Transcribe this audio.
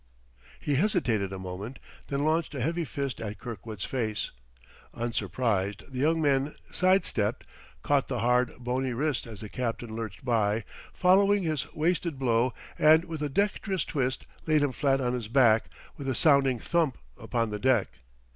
He hesitated a moment, then launched a heavy fist at Kirkwood's face. Unsurprised, the young man side stepped, caught the hard, bony wrist as the captain lurched by, following his wasted blow, and with a dexterous twist laid him flat on his back, with a sounding thump upon the deck.